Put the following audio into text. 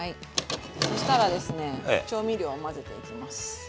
そしたらですね調味料を混ぜていきます。